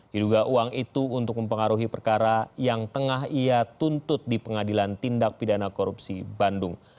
diduga uang itu untuk mempengaruhi perkara yang tengah ia tuntut di pengadilan tindak pidana korupsi bandung